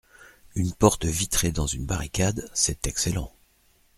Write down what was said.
Une porte vitrée dans une barricade, c'est excellent.